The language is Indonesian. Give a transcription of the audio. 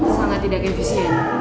sangat tidak efisien